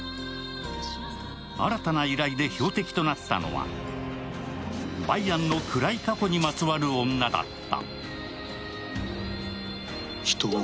新たな依頼で標的となったのは梅安の暗い過去にまつわる女だった。